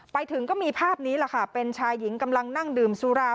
ไปถึงก็มีภาพนี้แหละค่ะเป็นชายหญิงกำลังนั่งดื่มสุรา